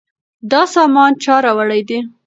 دا سامان چا راوړی دی؟